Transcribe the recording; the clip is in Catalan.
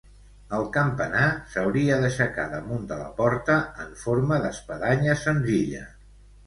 El campanar s'hauria d'aixecar damunt de la porta en forma d'espadanya senzilla.